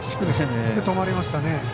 それで止まりましたね。